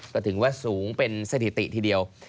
ก็ถือว่าสูงเป็นสถิติทีเดียว